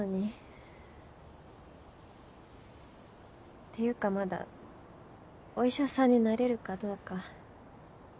っていうかまだお医者さんになれるかどうか。